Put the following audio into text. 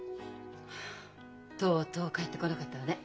はあとうとう帰ってこなかったわね。